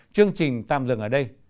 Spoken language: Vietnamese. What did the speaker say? chương trình tạm dừng ở đây